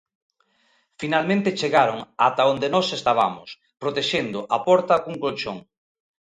Finalmente chegaron ata onde nós estabamos, protexendo a porta cun colchón.